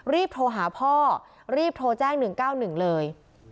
รีบโทรหาพ่อรีบโทรแจ้ง๑๙๑เลย